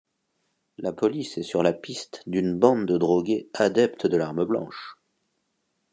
La police est sur la piste d'une bande de drogués adeptes de l'arme blanche.